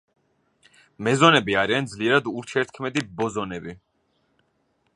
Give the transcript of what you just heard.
მეზონები არიან ძლიერად ურთიერთქმედი ბოზონები.